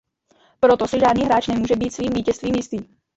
Proto si žádný hráč nemůže být svým vítězstvím jistý...